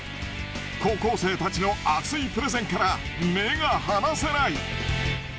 高校生たちの熱いプレゼンから目が離せない。